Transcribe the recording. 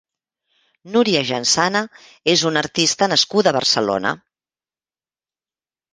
Núria Jansana és una artista nascuda a Barcelona.